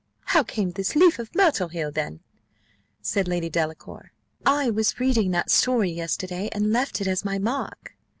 "How came this leaf of myrtle here, then?" said Lady Delacour. "I was reading that story yesterday, and left it as my mark."